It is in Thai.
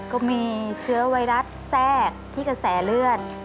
ก็มีเชื้อไวรัสแทรกที่กระแสเลือด